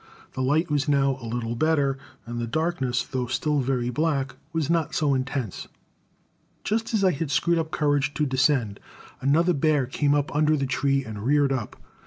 The light was now a little better, and the darkness, though still very black, was not so intense. Just as I had screwed up courage to descend, another bear came up under the tree and reared up.